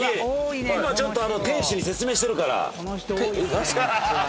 今ちょっと店主に説明してるから。